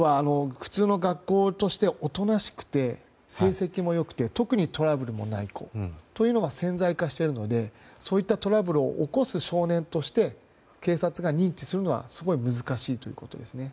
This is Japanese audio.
普通の学校でおとなしくて、成績もよくて特にトラブルもない子というのが潜在化しているのでそういったトラブルを起こす少年として警察が認知するのはすごく難しいです。